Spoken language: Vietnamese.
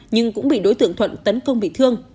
nhưng cũng bị đối tượng thuận tấn công bị thương